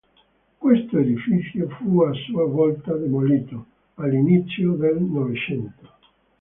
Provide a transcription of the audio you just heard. Questo edificio fu a sua volta demolito all'inizio del Novecento.